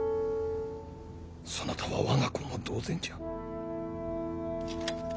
そなたは我が子も同然じゃ。